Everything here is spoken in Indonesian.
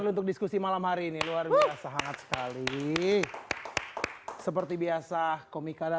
untuk diskusi malam hari ini luar biasa hangat sekali seperti biasa komika dan